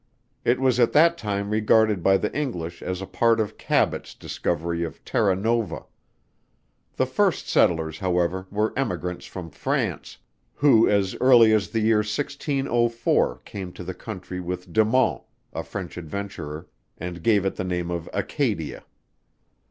It was at that time regarded by the English as a part of CABOT'S discovery of Terra Nova. The first settlers, however, were emigrants from France, who as early as the year 1604 came to the Country with DE MONT, a French adventurer, and gave it the name of Acadia.